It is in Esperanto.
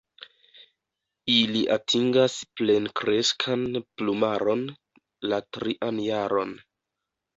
Ili atingas plenkreskan plumaron la trian jaron.